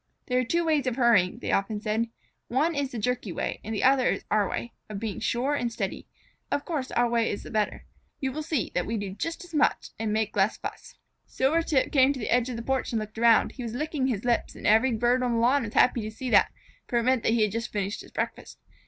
"There are two ways of hurrying," they often said. "One is the jerky way and the other is our way, of being sure and steady. Of course our way is the better. You will see that we do just as much and make less fuss." Silvertip came to the edge of the porch and looked around. He was licking his lips, and every bird on the lawn was happy to see that, for it meant that he had just finished his breakfast.